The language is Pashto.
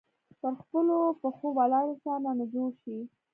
پر خپلو پښو ولاړ انسان رانه جوړ شي.